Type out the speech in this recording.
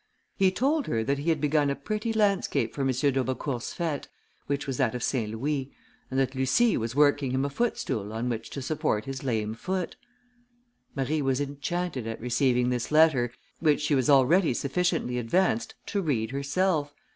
He told her that he had begun a pretty landscape for M. d'Aubecourt's fête, which was that of St. Louis, and that Lucie was working him a footstool on which to support his lame foot. Marie was enchanted at receiving this letter, which she was already sufficiently advanced to read herself.